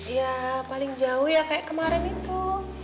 ya paling jauh ya kayak kemarin itu